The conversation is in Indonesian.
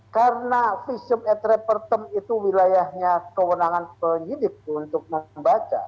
karena visum et repertum itu wilayahnya kewenangan penyidik untuk membaca